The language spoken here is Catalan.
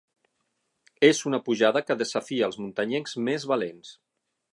És una pujada que desafia als muntanyencs més valents.